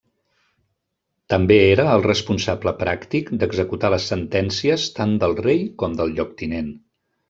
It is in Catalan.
També era el responsable pràctic d'executar les sentències tant del rei com del lloctinent.